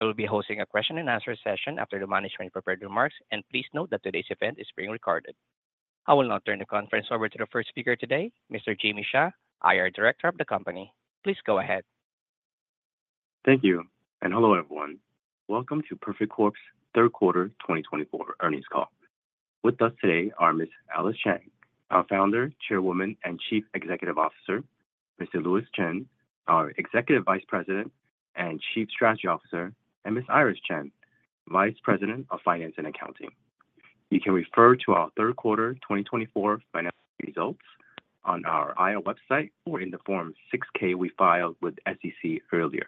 We will be hosting a question-and-answer session after the management prepared remarks, and please note that today's event is being recorded. I will now turn the conference over to the first speaker today, Mr. Jamie Shah, IR Director of the company. Please go ahead. Thank you, and hello everyone. Welcome to Perfect Corp's third quarter 2024 earnings call. With us today are Ms. Alice Chang, our Founder, Chairwoman, and Chief Executive Officer, Mr. Louis Chen, our Executive Vice President and Chief Strategy Officer, and Ms. Iris Chen, Vice President of Finance and Accounting. You can refer to our third quarter 2024 financial results on our IR website or in the Form 6-K we filed with SEC earlier.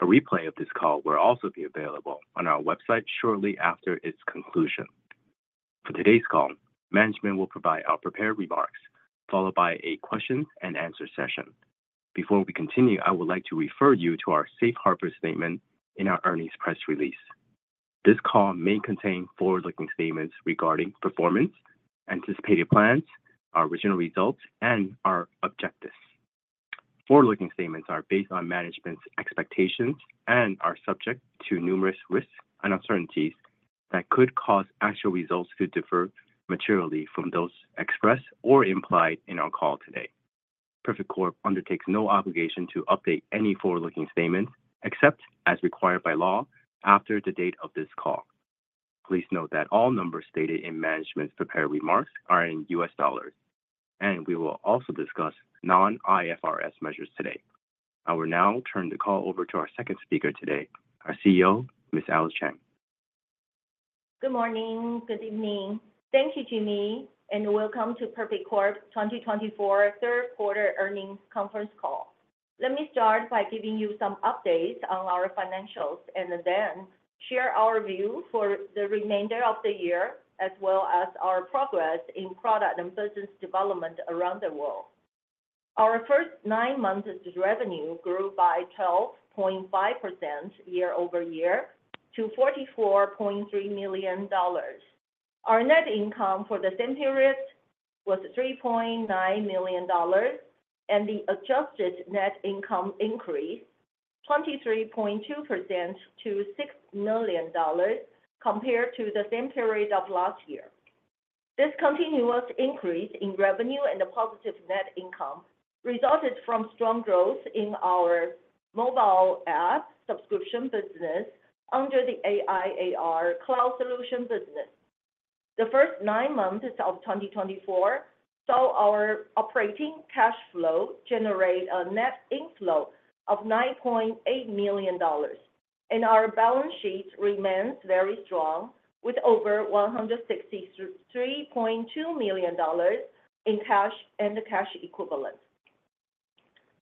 A replay of this call will also be available on our website shortly after its conclusion. For today's call, management will provide our prepared remarks, followed by a question-and-answer session. Before we continue, I would like to refer you to our Safe Harbor statement in our earnings press release. This call may contain forward-looking statements regarding performance, anticipated plans, our financial results, and our objectives. Forward-looking statements are based on management's expectations and are subject to numerous risks and uncertainties that could cause actual results to differ materially from those expressed or implied in our call today. Perfect Corp undertakes no obligation to update any forward-looking statements except as required by law after the date of this call. Please note that all numbers stated in management's prepared remarks are in U.S. dollars, and we will also discuss non-IFRS measures today. I will now turn the call over to our second speaker today, our CEO, Ms. Alice Chang. Good morning. Good evening. Thank you, Jamie, and welcome to Perfect Corp's 2024 third quarter earnings conference call. Let me start by giving you some updates on our financials and then share our view for the remainder of the year, as well as our progress in product and business development around the world. Our first nine months' revenue grew by 12.5% year over year to $44.3 million. Our net income for the same period was $3.9 million, and the adjusted net income increased 23.2% to $6 million compared to the same period of last year. This continuous increase in revenue and the positive net income resulted from strong growth in our mobile app subscription business under the AI/AR cloud solution business. The first nine months of 2024 saw our operating cash flow generate a net inflow of $9.8 million, and our balance sheet remains very strong with over $163.2 million in cash and cash equivalent.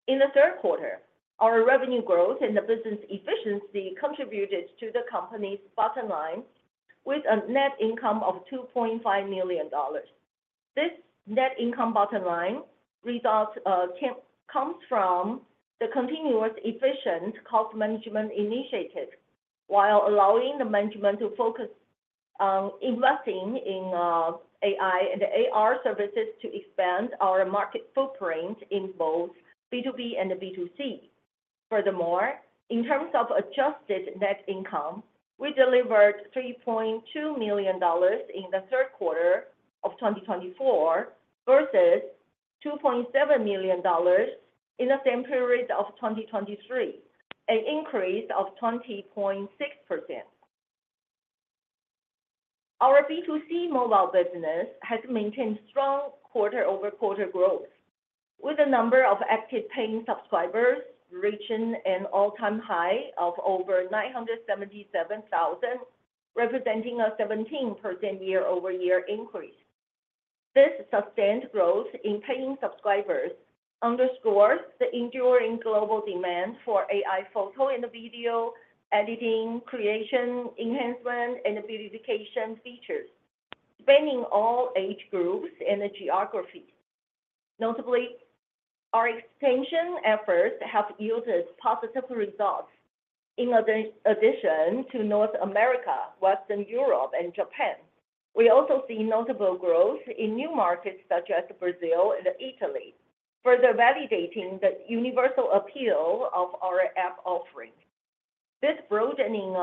In the third quarter, our revenue growth and the business efficiency contributed to the company's bottom line with a net income of $2.5 million. This net income bottom line results comes from the continuous efficient cost management initiative, while allowing the management to focus on investing in AI and AR services to expand our market footprint in both B2B and B2C. Furthermore, in terms of adjusted net income, we delivered $3.2 million in the third quarter of 2024 versus $2.7 million in the same period of 2023, an increase of 20.6%. Our B2C mobile business has maintained strong quarter-over-quarter growth, with the number of active paying subscribers reaching an all-time high of over 977,000, representing a 17% year-over-year increase. This sustained growth in paying subscribers underscores the enduring global demand for AI photo and video editing, creation, enhancement, and verification features, spanning all age groups and geographies. Notably, our expansion efforts have yielded positive results. In addition to North America, Western Europe, and Japan, we also see notable growth in new markets such as Brazil and Italy, further validating the universal appeal of our app offering. This broadening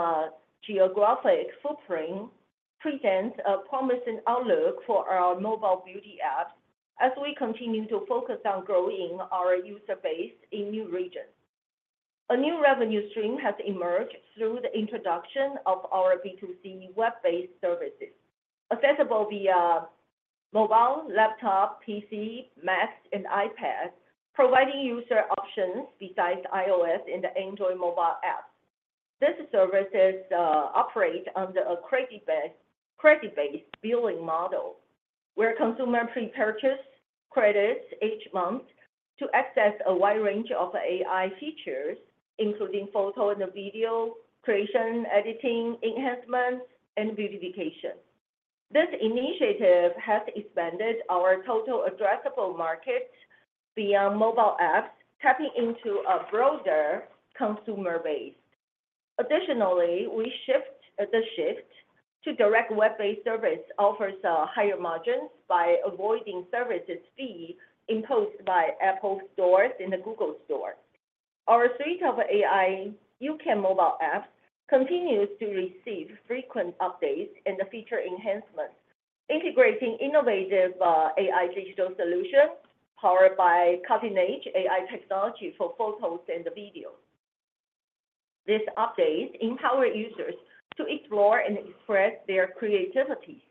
geographic footprint presents a promising outlook for our mobile beauty apps as we continue to focus on growing our user base in new regions. A new revenue stream has emerged through the introduction of our B2C web-based services, accessible via mobile, laptop, PC, Mac, and iPad, providing user options besides iOS and Android mobile apps. This service operates under a credit-based billing model, where consumers pre-purchase credits each month to access a wide range of AI features, including photo and video creation, editing, enhancement, and verification. This initiative has expanded our total addressable market beyond mobile apps, tapping into a broader consumer base. Additionally, we shift to direct web-based services that offer higher margins by avoiding service fees imposed by App Store and the Google Store. Our suite of YouCam mobile apps continues to receive frequent updates and feature enhancements, integrating innovative AI digital solutions powered by cutting-edge AI technology for photos and videos. These updates empower users to explore and express their creativities,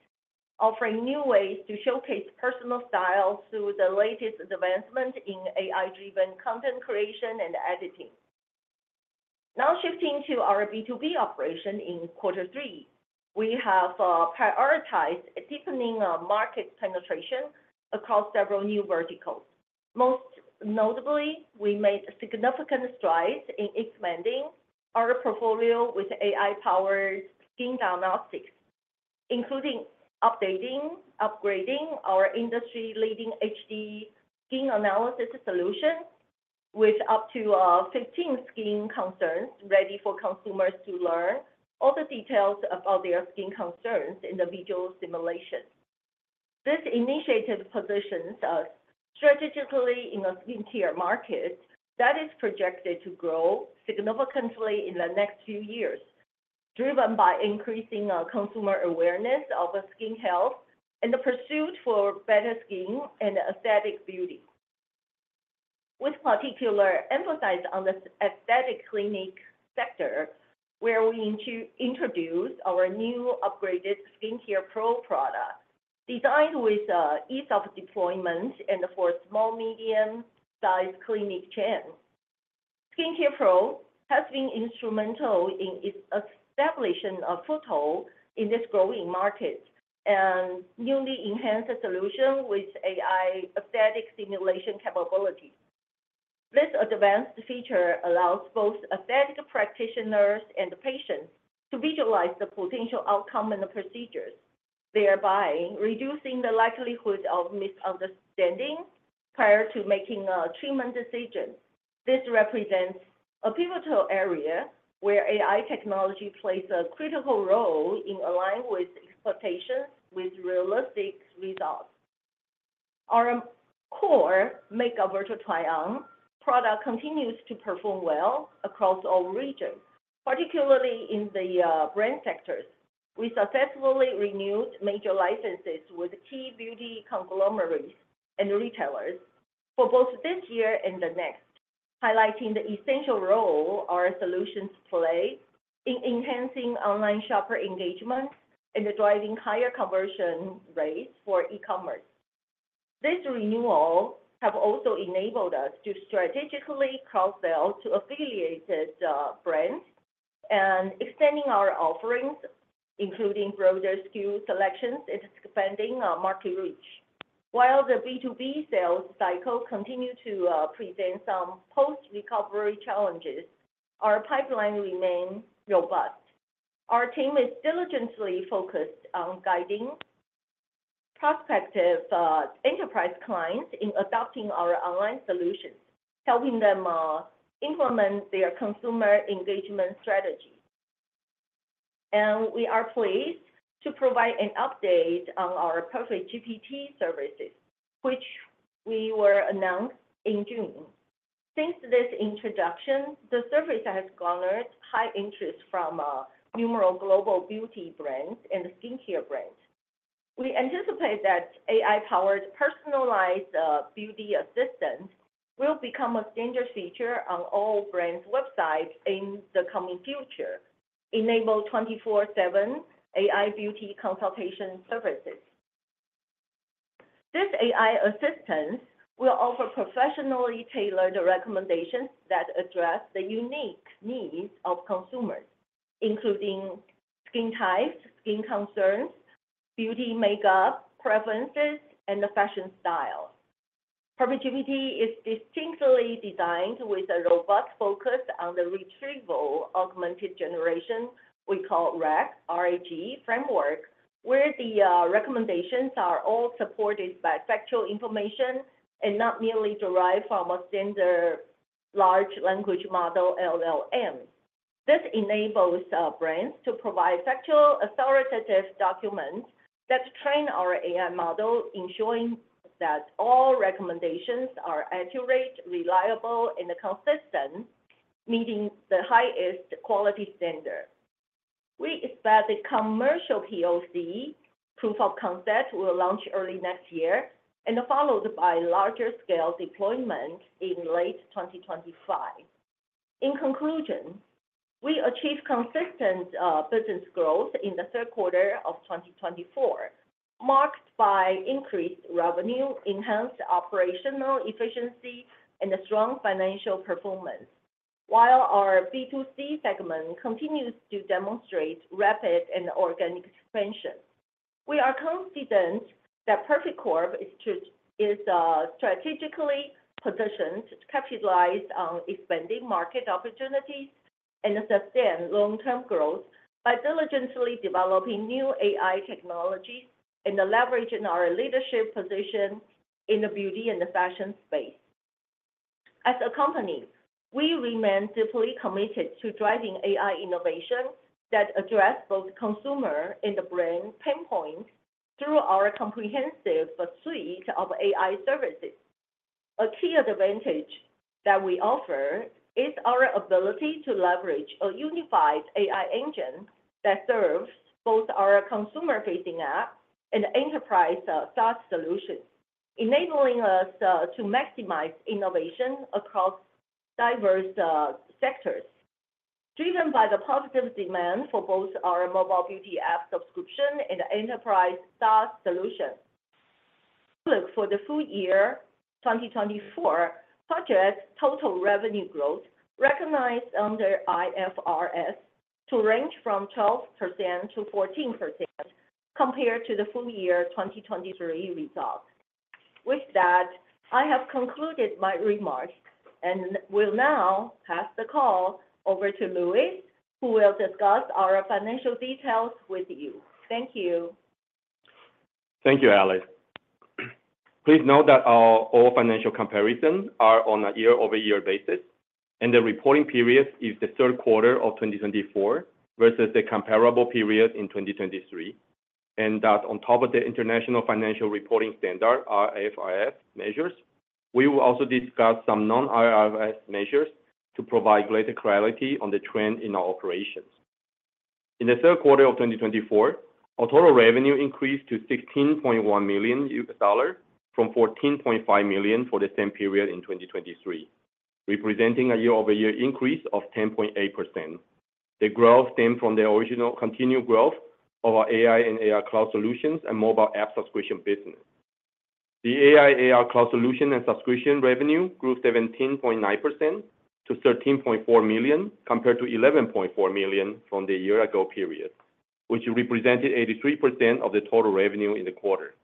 offering new ways to showcase personal styles through the latest advancements in AI-driven content creation and editing. Now shifting to our B2B operation in quarter three, we have prioritized deepening our market penetration across several new verticals. Most notably, we made significant strides in expanding our portfolio with AI-powered skin diagnostics, including updating and upgrading our industry-leading HD Skin Analysis solution with up to 15 skin concerns ready for consumers to learn all the details about their skin concerns in the visual simulation. This initiative positions us strategically in a skincare market that is projected to grow significantly in the next few years, driven by increasing consumer awareness of skin health and the pursuit for better skin and aesthetic beauty. With particular emphasis on the aesthetic clinic sector, where we introduce our new upgraded Skincare Pro product designed with ease of deployment and for small, medium-sized clinic chains. Skincare Pro has been instrumental in its establishment of foothold in this growing market and newly enhanced solution with AI aesthetic simulation capability. This advanced feature allows both aesthetic practitioners and patients to visualize the potential outcome and the procedures, thereby reducing the likelihood of misunderstanding prior to making a treatment decision. This represents a pivotal area where AI technology plays a critical role in aligning expectations with realistic results. Our core makeup Virtual Try-On product continues to perform well across all regions, particularly in the brand sectors. We successfully renewed major licenses with key beauty conglomerates and retailers for both this year and the next, highlighting the essential role our solutions play in enhancing online shopper engagement and driving higher conversion rates for e-commerce. This renewal has also enabled us to strategically cross-sell to affiliated brands and extend our offerings, including broader SKU selections and expanding market reach. While the B2B sales cycle continues to present some post-recovery challenges, our pipeline remains robust. Our team is diligently focused on guiding prospective enterprise clients in adopting our online solutions, helping them implement their consumer engagement strategy. We are pleased to provide an update on our PerfectGPT services, which we will announce in June. Since this introduction, the service has garnered high interest from numerous global beauty brands and skincare brands. We anticipate that AI-powered personalized beauty assistants will become a standard feature on all brands' websites in the coming future, enabling 24/7 AI beauty consultation services. This AI assistant will offer professionally tailored recommendations that address the unique needs of consumers, including skin types, skin concerns, beauty makeup preferences, and fashion styles. PerfectGPT is distinctly designed with a robust focus on the retrieval augmented generation we call RAG framework, where the recommendations are all supported by factual information and not merely derived from a standard large language model LLM. This enables brands to provide factual authoritative documents that train our AI model, ensuring that all recommendations are accurate, reliable, and consistent, meeting the highest quality standard. We expect the commercial POC, proof of concept, will launch early next year and followed by larger scale deployment in late 2025. In conclusion, we achieved consistent business growth in the third quarter of 2024, marked by increased revenue, enhanced operational efficiency, and strong financial performance. While our B2C segment continues to demonstrate rapid and organic expansion, we are confident that Perfect Corp is strategically positioned to capitalize on expanding market opportunities and sustain long-term growth by diligently developing new AI technologies and leveraging our leadership position in the beauty and fashion space. As a company, we remain deeply committed to driving AI innovation that addresses both consumer and brand pain points through our comprehensive suite of AI services. A key advantage that we offer is our ability to leverage a unified AI engine that serves both our consumer-facing app and enterprise SaaS solutions, enabling us to maximize innovation across diverse sectors, driven by the positive demand for both our mobile beauty app subscription and enterprise SaaS solutions. Look for the full year 2024 project total revenue growth recognized under IFRS to range from 12%-14% compared to the full year 2023 results. With that, I have concluded my remarks and will now pass the call over to Louis, who will discuss our financial details with you. Thank you. Thank you, Alice. Please note that all financial comparisons are on a year-over-year basis, and the reporting period is the third quarter of 2024 versus the comparable period in 2023. That on top of the International Financial Reporting Standards, IFRS measures, we will also discuss some non-IFRS measures to provide greater clarity on the trend in our operations. In the third quarter of 2024, our total revenue increased to $16.1 million from $14.5 million for the same period in 2023, representing a year-over-year increase of 10.8%. The growth stemmed from the original continued growth of our AI and AR cloud solutions and mobile app subscription business. The AI/AR cloud solution and subscription revenue grew 17.9% to $13.4 million compared to $11.4 million from the year-ago period, which represented 83% of the total revenue in the quarter.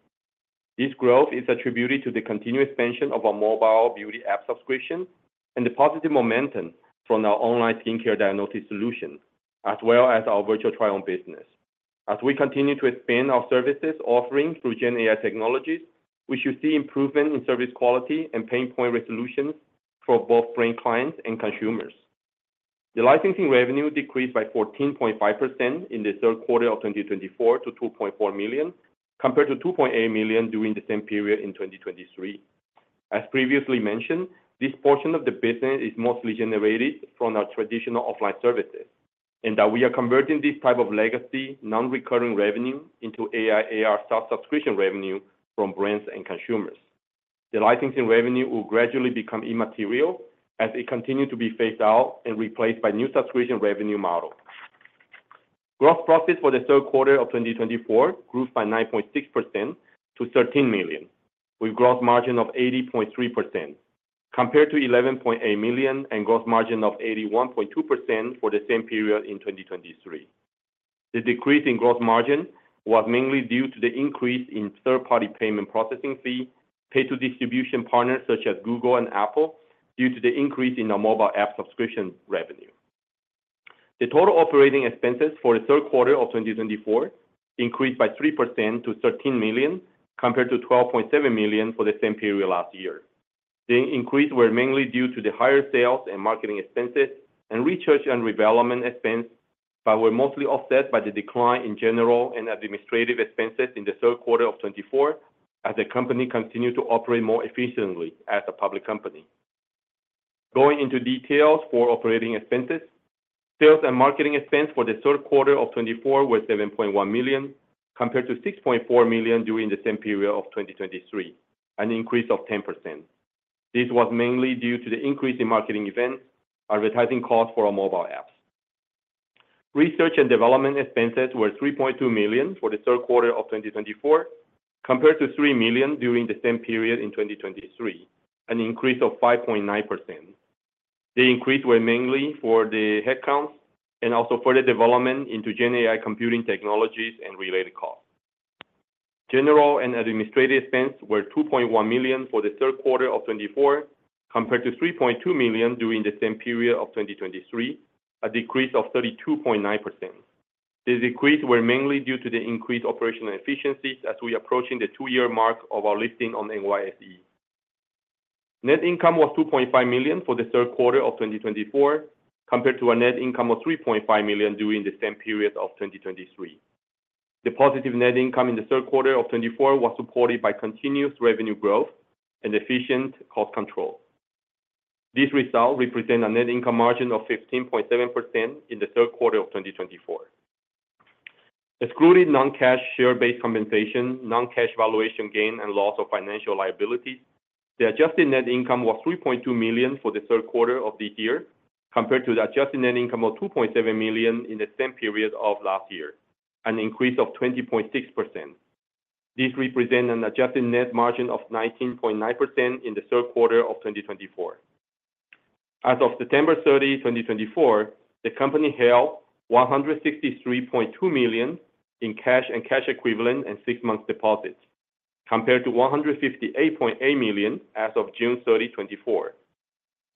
This growth is attributed to the continued expansion of our mobile beauty app subscriptions and the positive momentum from our online skincare diagnostic solutions, as well as our virtual try-on business. As we continue to expand our services offerings through Gen AI technologies, we should see improvements in service quality and pain point resolutions for both brand clients and consumers. The licensing revenue decreased by 14.5% in the third quarter of 2024 to $2.4 million compared to $2.8 million during the same period in 2023. As previously mentioned, this portion of the business is mostly generated from our traditional offline services, and that we are converting this type of legacy non-recurring revenue into AI/AR SaaS subscription revenue from brands and consumers. The licensing revenue will gradually become immaterial as it continues to be phased out and replaced by new subscription revenue models. Gross profit for the third quarter of 2024 grew by 9.6% to $13 million, with gross margin of 80.3% compared to $11.8 million and gross margin of 81.2% for the same period in 2023. The decrease in gross margin was mainly due to the increase in third-party payment processing fees paid to distribution partners such as Google and Apple due to the increase in our mobile app subscription revenue. The total operating expenses for the third quarter of 2024 increased by 3% to $13 million compared to $12.7 million for the same period last year. The increase was mainly due to the higher sales and marketing expenses and research and development expenses, but were mostly offset by the decline in general and administrative expenses in the third quarter of 2024 as the company continued to operate more efficiently as a public company. Going into details for operating expenses, sales and marketing expenses for the third quarter of 2024 were $7.1 million compared to $6.4 million during the same period of 2023, an increase of 10%. This was mainly due to the increase in marketing events, advertising costs for our mobile apps. Research and development expenses were $3.2 million for the third quarter of 2024 compared to $3 million during the same period in 2023, an increase of 5.9%. The increase was mainly for the headcounts and also further development into Gen AI computing technologies and related costs. General and administrative expenses were $2.1 million for the third quarter of 2024 compared to $3.2 million during the same period of 2023, a decrease of 32.9%. These decreases were mainly due to the increased operational efficiencies as we approached the two-year mark of our listing on NYSE. Net income was $2.5 million for the third quarter of 2024 compared to our net income of $3.5 million during the same period of 2023. The positive net income in the third quarter of 2024 was supported by continuous revenue growth and efficient cost control. These results represent a net income margin of 15.7% in the third quarter of 2024. Excluding non-cash share-based compensation, non-cash valuation gain, and loss of financial liabilities, the adjusted net income was $3.2 million for the third quarter of the year compared to the adjusted net income of $2.7 million in the same period of last year, an increase of 20.6%. This represents an adjusted net margin of 19.9% in the third quarter of 2024. As of September 30, 2024, the company held $163.2 million in cash and cash equivalents and six-month deposits compared to $158.8 million as of June 30, 2024.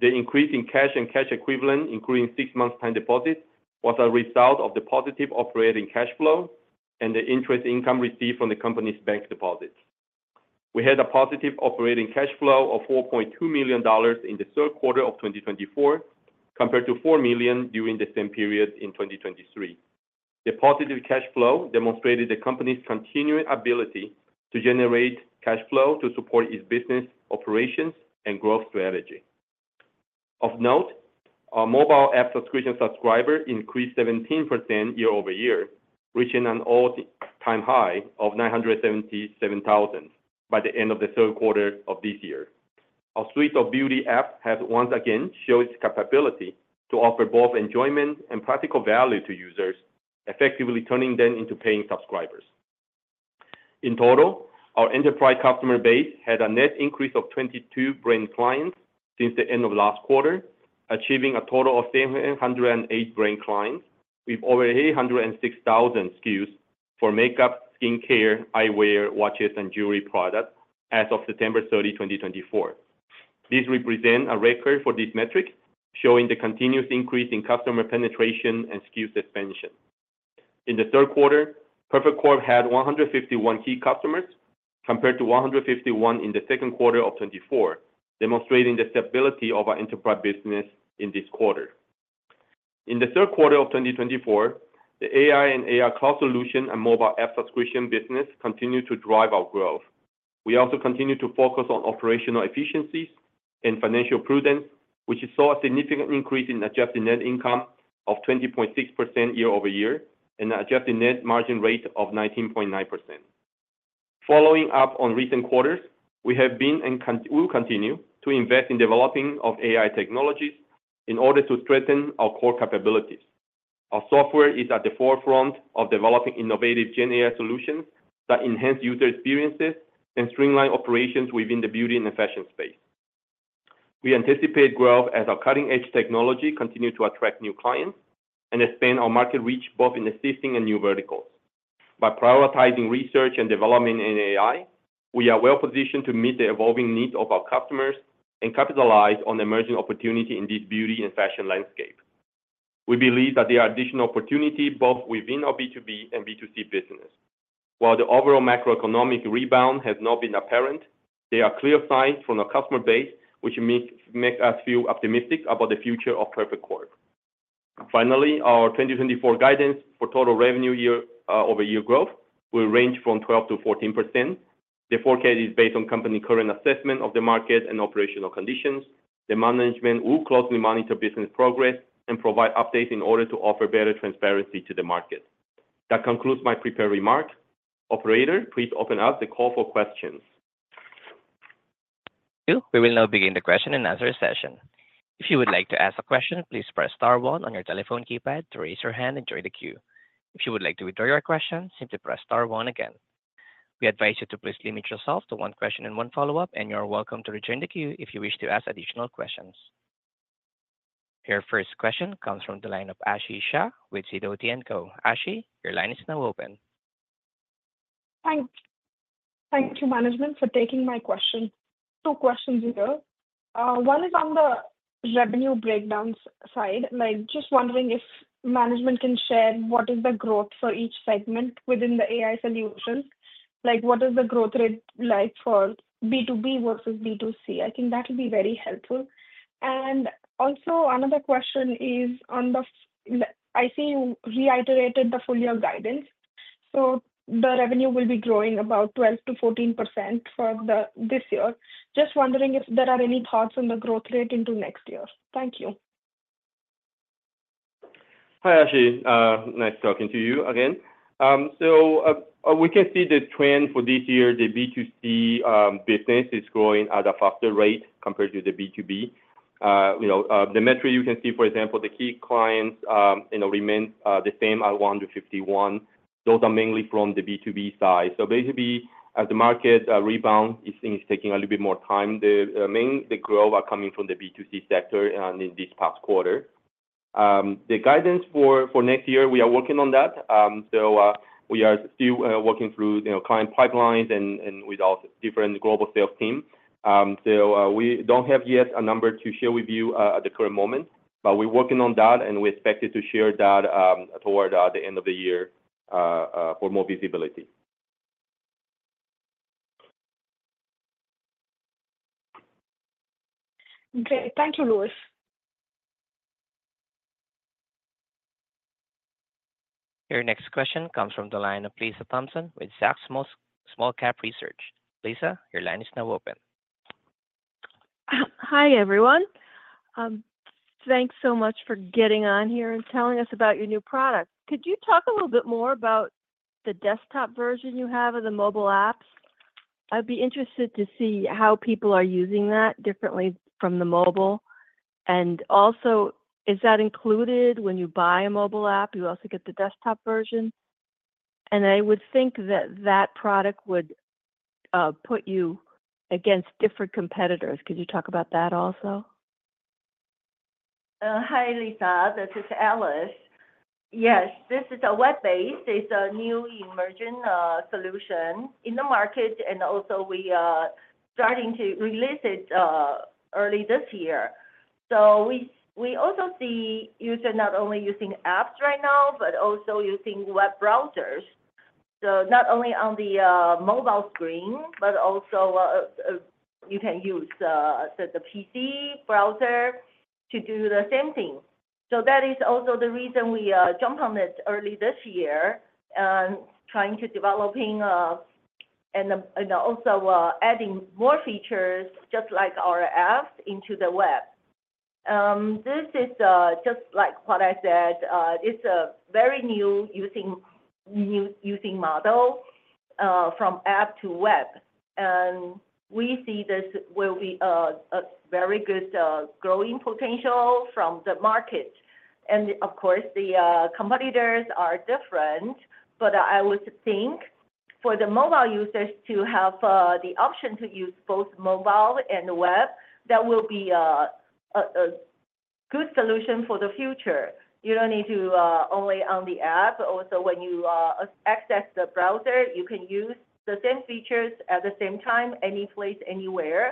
The increase in cash and cash equivalents, including six-month time deposits, was a result of the positive operating cash flow and the interest income received from the company's bank deposits. We had a positive operating cash flow of $4.2 million in the third quarter of 2024 compared to $4 million during the same period in 2023. The positive cash flow demonstrated the company's continued ability to generate cash flow to support its business operations and growth strategy. Of note, our mobile app subscription subscribers increased 17% year-over-year, reaching an all-time high of 977,000 by the end of the third quarter of this year. Our suite of beauty apps has once again shown its capability to offer both enjoyment and practical value to users, effectively turning them into paying subscribers. In total, our enterprise customer base had a net increase of 22 brand clients since the end of last quarter, achieving a total of 708 brand clients with over 806,000 SKUs for makeup, skincare, eyewear, watches, and jewelry products as of September 30, 2024. This represents a record for this metric, showing the continuous increase in customer penetration and SKU expansion. In the third quarter, Perfect Corp had 151 key customers compared to 151 in the second quarter of 2024, demonstrating the stability of our enterprise business in this quarter. In the third quarter of 2024, the AI and AR cloud solution and mobile app subscription business continued to drive our growth. We also continued to focus on operational efficiencies and financial prudence, which saw a significant increase in adjusted net income of 20.6% year-over-year and an adjusted net margin rate of 19.9%. Following up on recent quarters, we have been and will continue to invest in the development of AI technologies in order to strengthen our core capabilities. Our software is at the forefront of developing innovative Gen AI solutions that enhance user experiences and streamline operations within the beauty and fashion space. We anticipate growth as our cutting-edge technology continues to attract new clients and expand our market reach both in existing and new verticals. By prioritizing research and development in AI, we are well-positioned to meet the evolving needs of our customers and capitalize on emerging opportunities in this beauty and fashion landscape. We believe that there are additional opportunities both within our B2B and B2C business. While the overall macroeconomic rebound has not been apparent, there are clear signs from our customer base, which makes us feel optimistic about the future of Perfect Corp. Finally, our 2024 guidance for total revenue year-over-year growth will range from 12%-14%. The forecast is based on the company's current assessment of the market and operational conditions. The management will closely monitor business progress and provide updates in order to offer better transparency to the market. That concludes my prepared remark. Operator, please open up the call for questions. Thank you. We will now begin the question and answer session. If you would like to ask a question, please press star one on your telephone keypad to raise your hand and join the queue. If you would like to withdraw your question, simply press star one again. We advise you to please limit yourself to one question and one follow-up, and you are welcome to return the queue if you wish to ask additional questions. Your first question comes from the line of Aashi Shah with Sidoti & Company. Aashi, your line is now open. Thank you, management, for taking my question. Two questions here. One is on the revenue breakdown side. Just wondering if management can share what is the growth for each segment within the AI solutions. What is the growth rate like for B2B versus B2C? I think that will be very helpful. And also, another question is on the. I see you reiterated the full-year guidance. So the revenue will be growing about 12%-14% for this year. Just wondering if there are any thoughts on the growth rate into next year. Thank you. Hi, Aashi. Nice talking to you again. So we can see the trend for this year. The B2C business is growing at a faster rate compared to the B2B. The metric you can see, for example, the key clients remain the same at 151. Those are mainly from the B2B side. So basically, as the market rebound, it's taking a little bit more time. The main growth is coming from the B2C sector in this past quarter. The guidance for next year, we are working on that. So we are still working through client pipelines and with different global sales teams. So we don't have yet a number to share with you at the current moment, but we're working on that, and we expect to share that toward the end of the year for more visibility. Okay. Thank you, Louis. Your next question comes from the line of Lisa Thompson with Zacks Small Cap Research. Lisa, your line is now open. Hi, everyone. Thanks so much for getting on here and telling us about your new product. Could you talk a little bit more about the desktop version you have of the mobile apps? I'd be interested to see how people are using that differently from the mobile. And also, is that included when you buy a mobile app? You also get the desktop version. And I would think that that product would put you against different competitors. Could you talk about that also? Hi, Lisa. This is Alice. Yes, this is a web-based. It's a new emerging solution in the market, and also, we are starting to release it early this year. So we also see users not only using apps right now, but also using web browsers. So not only on the mobile screen, but also you can use the PC browser to do the same thing. So that is also the reason we jumped on it early this year and trying to develop and also adding more features just like our apps into the web. This is just like what I said. It's a very new using model from app to web. And we see this will be a very good growing potential from the market. And of course, the competitors are different, but I would think for the mobile users to have the option to use both mobile and web, that will be a good solution for the future. You don't need to only on the app. Also, when you access the browser, you can use the same features at the same time, any place, anywhere.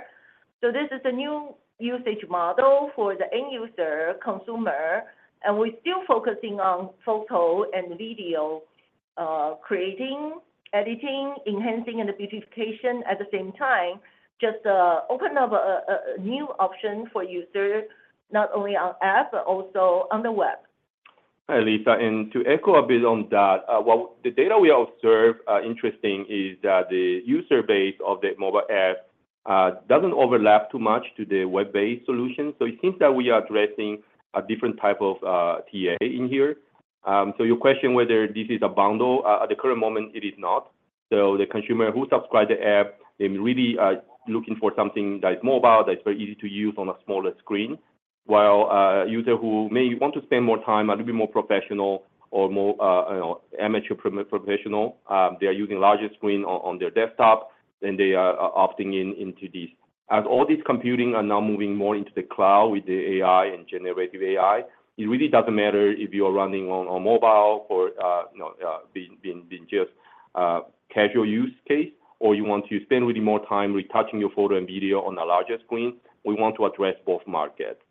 So this is a new usage model for the end user, consumer. And we're still focusing on photo and video, creating, editing, enhancing, and the beautification at the same time, just open up a new option for users not only on app, but also on the web. Hi, Lisa. And to echo a bit on that, the data we observed interesting is that the user base of the mobile app doesn't overlap too much to the web-based solution. So it seems that we are addressing a different type of TA in here. So your question whether this is a bundle, at the current moment, it is not. So the consumer who subscribed to the app, they're really looking for something that is mobile, that is very easy to use on a smaller screen, while a user who may want to spend more time, a little bit more professional or more amateur professional, they are using a larger screen on their desktop, then they are opting into this. As all this computing is now moving more into the cloud with the AI and generative AI, it really doesn't matter if you are running on mobile for being just casual use case or you want to spend really more time retouching your photo and video on a larger screen. We want to address both markets.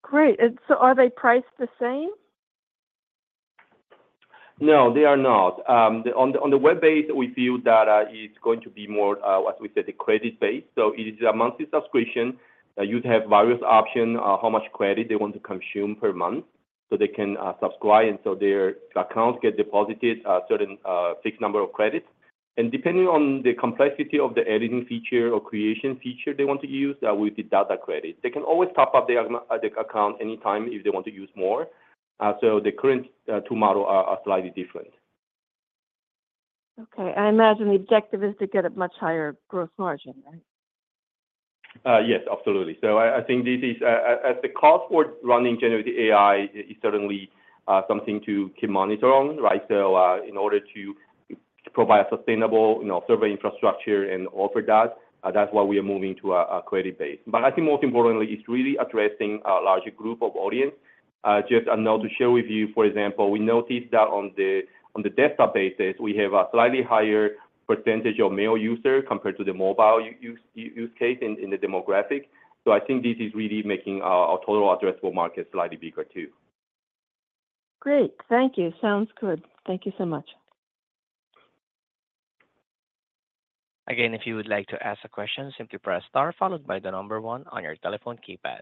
Great. And so are they priced the same? No, they are not. On the web-based, we feel that it's going to be more, as we said, the credit-based. So it is a monthly subscription that you'd have various options, how much credit they want to consume per month. So they can subscribe, and so their accounts get deposited a certain fixed number of credits. And depending on the complexity of the editing feature or creation feature they want to use, that will be data credit. They can always top up their account anytime if they want to use more. So the current two models are slightly different. Okay. I imagine the objective is to get a much higher gross margin, right? Yes, absolutely. So I think this is, as the cost for running generative AI is certainly something to keep monitoring, right? So in order to provide a sustainable server infrastructure and offer that, that's why we are moving to a credit-based. But I think most importantly, it's really addressing a larger group of audience. Just a note to share with you, for example, we noticed that on the desktop basis, we have a slightly higher percentage of male users compared to the mobile use case in the demographic. So I think this is really making our total addressable market slightly bigger too. Great. Thank you. Sounds good. Thank you so much. Again, if you would like to ask a question, simply press star followed by the number one on your telephone keypad.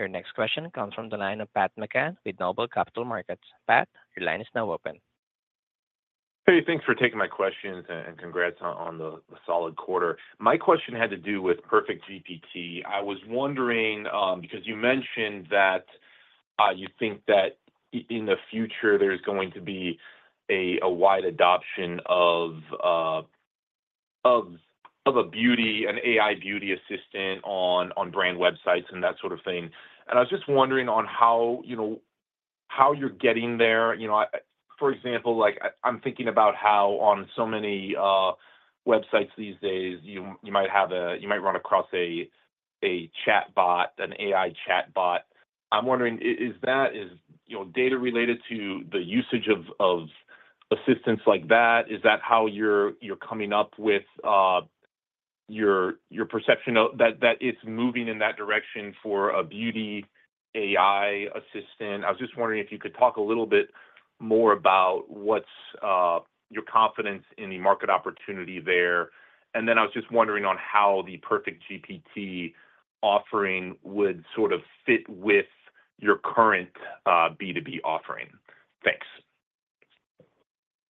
Your next question comes from the line of Pat McCann with Noble Capital Markets. Pat, your line is now open. Hey, thanks for taking my questions and congrats on the solid quarter. My question had to do with PerfectGPT. I was wondering because you mentioned that you think that in the future, there's going to be a wide adoption of an AI beauty assistant on brand websites and that sort of thing, and I was just wondering on how you're getting there. For example, I'm thinking about how on so many websites these days, you might run across a chatbot, an AI chatbot. I'm wondering, is that data related to the usage of assistants like that? Is that how you're coming up with your perception that it's moving in that direction for a beauty AI assistant? I was just wondering if you could talk a little bit more about your confidence in the market opportunity there, and then I was just wondering on how the PerfectGPT offering would sort of fit with your current B2B offering. Thanks.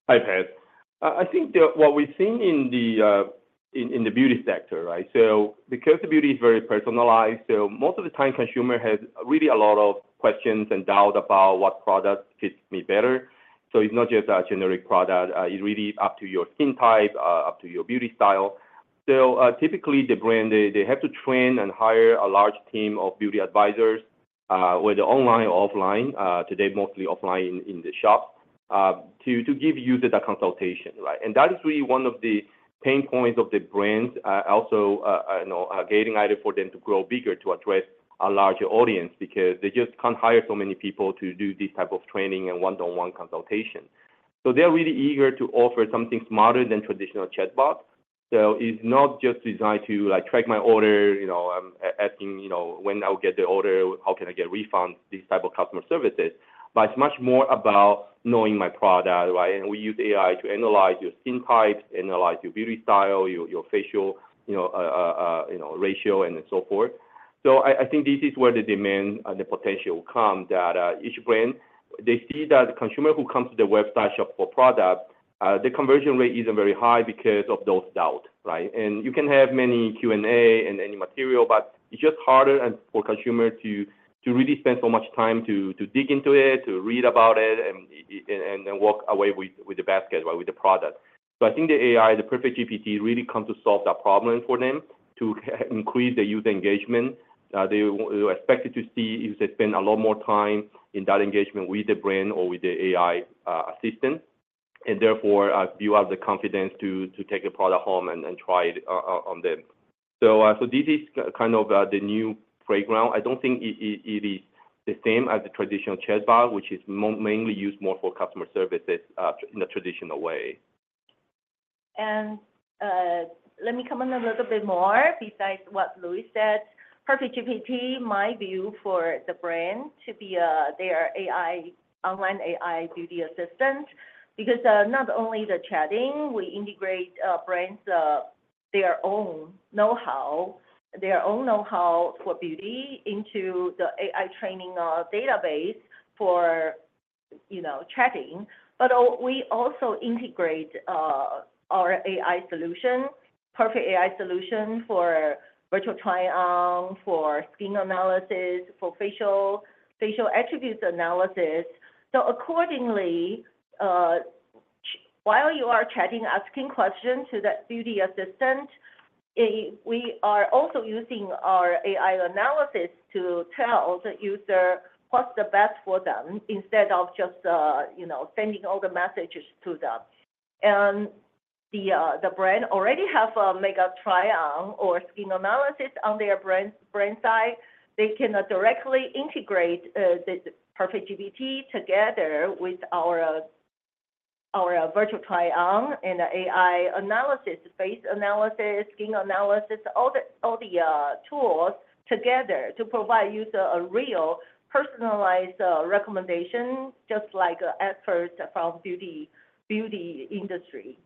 Hi, Pat. I think what we've seen in the beauty sector, right? So because the beauty is very personalized, so most of the time, consumers have really a lot of questions and doubts about what product fits me better. So it's not just a generic product. It's really up to your skin type, up to your beauty style. So typically, the brand, they have to train and hire a large team of beauty advisors, whether online or offline. Today, mostly offline in the shops, to give you the consultation, right? And that is really one of the pain points of the brands, also a gating item for them to grow bigger to address a larger audience because they just can't hire so many people to do this type of training and one-on-one consultation. So they're really eager to offer something smarter than traditional chatbots. So it's not just designed to track my order. I'm asking when I'll get the order, how can I get refunds, these type of customer services. But it's much more about knowing my product, right? And we use AI to analyze your skin types, analyze your beauty style, your facial ratio, and so forth. So I think this is where the demand and the potential comes that each brand, they see that the consumer who comes to the website shop for products, the conversion rate isn't very high because of those doubts, right? And you can have many Q&A and any material, but it's just harder for consumers to really spend so much time to dig into it, to read about it, and then walk away with the basket, right, with the product. So I think the AI, the PerfectGPT, really comes to solve that problem for them to increase the user engagement. They are expected to see if they spend a lot more time in that engagement with the brand or with the AI assistant. And therefore, build up the confidence to take the product home and try it on them. So this is kind of the new playground. I don't think it is the same as the traditional chatbot, which is mainly used more for customer services in the traditional way. And let me comment a little bit more besides what Louis said. PerfectGPT, my view for the brand to be their online AI beauty assistant, because not only the chatting, we integrate brands their own know-how, their own know-how for beauty into the AI training database for chatting. But we also integrate our AI solution, Perfect AI solution for virtual try-on, for skin analysis, for facial attributes analysis. So accordingly, while you are chatting, asking questions to that beauty assistant, we are also using our AI analysis to tell the user what's the best for them instead of just sending all the messages to them. And the brand already has a makeup try-on or skin analysis on their brand side. They can directly integrate the PerfectGPT together with our virtual try-on and the AI analysis, face analysis, skin analysis, all the tools together to provide users a real personalized recommendation, just like experts from the beauty industry.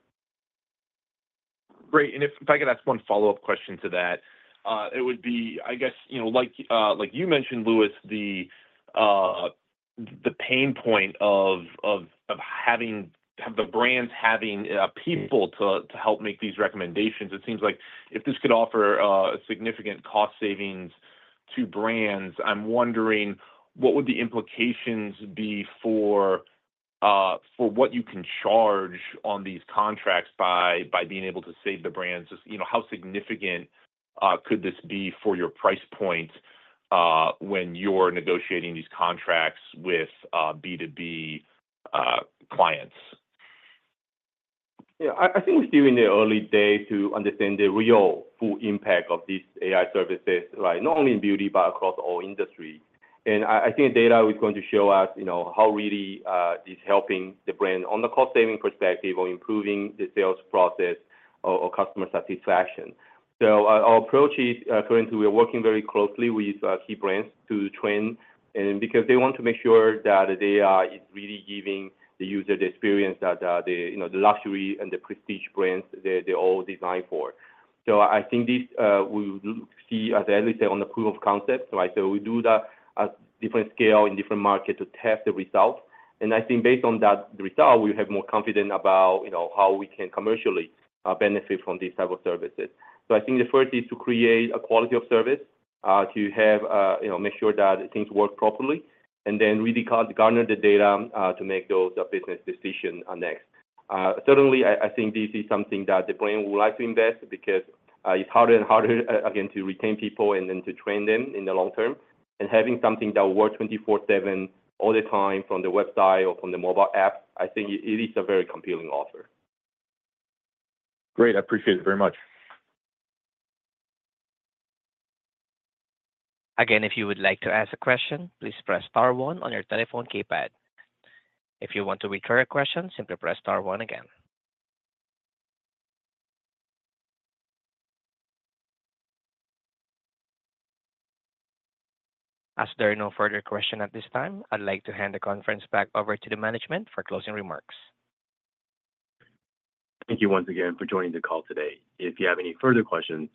Great. And if I could ask one follow-up question to that, it would be, I guess, like you mentioned, Louis, the pain point of the brands having people to help make these recommendations. It seems like if this could offer significant cost savings to brands, I'm wondering what would the implications be for what you can charge on these contracts by being able to save the brands? How significant could this be for your price point when you're negotiating these contracts with B2B clients? Yeah. I think we're still in the early days to understand the real full impact of these AI services, right? Not only in beauty, but across all industries, and I think data is going to show us how really this is helping the brand on the cost-saving perspective or improving the sales process or customer satisfaction, so our approach is currently we're working very closely with key brands to train and because they want to make sure that they are really giving the user the experience that the luxury and the prestige brands they're all designed for. I think this we'll see, as Alice said, on the proof of concept, right? We do that at different scales in different markets to test the results. I think based on that result, we have more confidence about how we can commercially benefit from these types of services. I think the first is to create a quality of service, to make sure that things work properly, and then really garner the data to make those business decisions next. Certainly, I think this is something that the brand would like to invest because it's harder and harder, again, to retain people and then to train them in the long term. Having something that will work 24/7 all the time from the website or from the mobile app, I think it is a very compelling offer. Great. I appreciate it very much. Again, if you would like to ask a question, please press star one on your telephone keypad. If you want to return a question, simply press star one again. As there are no further questions at this time, I'd like to hand the conference back over to the management for closing remarks. Thank you once again for joining the call today. If you have any further questions.